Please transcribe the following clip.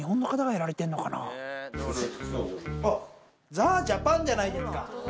ザ・ジャパンじゃないですか！